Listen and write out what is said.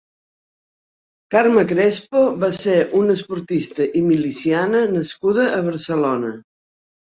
Carme Crespo va ser una esportista i miliciana nascuda a Barcelona.